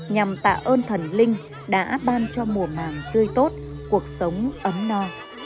nhằm tạ ơn thần linh đã ban cho mùa màng tươi tốt cuộc sống ấm no